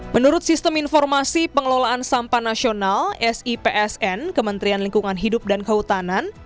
menurut sistem informasi pengelolaan sampah nasional sipsn kementerian lingkungan hidup dan kehutanan